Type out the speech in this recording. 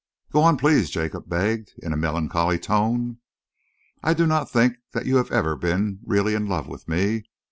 "Go on, please," Jacob begged, in a melancholy tone. "I do not think that you have ever been really in love with me.